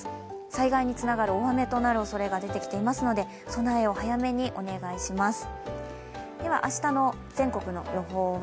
災害につながる大雨となるおそれが出てきていますので、備えを早めにお願いします。